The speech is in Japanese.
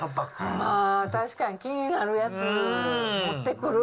まあ確かに気になるやつ、持ってくる。